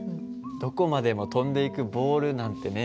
どこまでも飛んでいくボールなんてね。